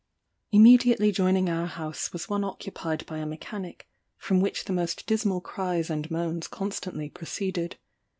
"Immediately joining our house was one occupied by a mechanic, from which the most dismal cries and moans constantly proceeded.